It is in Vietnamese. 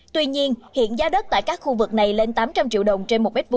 tuy nhiên hiện giá đất tại các khu vực này lên tám trăm linh triệu đồng trên một m hai